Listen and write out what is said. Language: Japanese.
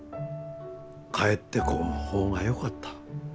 帰ってこん方がよかった。